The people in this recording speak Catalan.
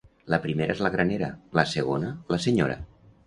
La primera és la granera; la segona, la senyora.